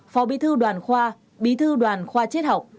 phó bí thư đoàn khoa bí thư đoàn khoa triết học